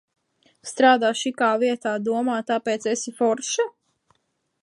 Strādā šikā vietā, domā, tāpēc esi forša.